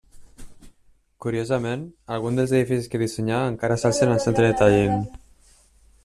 Curiosament, alguns dels edificis que dissenyà encara s'alcen al centre de Tallinn.